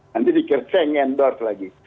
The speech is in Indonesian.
nanti dikerjain endorse lagi